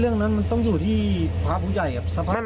เรื่องนั้นมันต้องอยู่ที่พระผู้ใหญ่ครับ